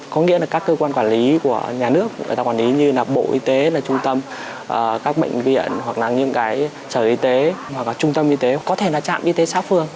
có nghĩa là các cơ quan quản lý của nhà nước người ta quản lý như là bộ y tế là trung tâm các bệnh viện hoặc là những cái sở y tế hoặc là trung tâm y tế có thể là trạm y tế xã phương